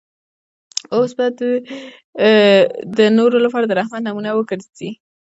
اوس به دی د نورو لپاره د رحمت نمونه وګرځي.